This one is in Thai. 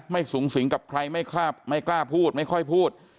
สูงสิงกับใครไม่กล้าพูดไม่ค่อยพูด